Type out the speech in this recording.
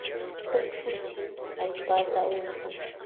Huk kuchim allpata untun.